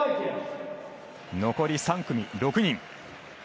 残り３組、６人。